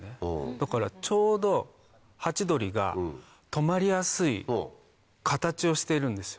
だからちょうどハチドリが止まりやすい形をしているんですよ